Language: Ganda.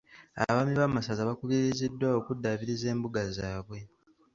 Abaami b'amasaza baakubiriziddwa okuddaabiriza embuga zaabwe.